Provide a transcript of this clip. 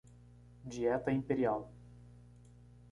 Dieta imperial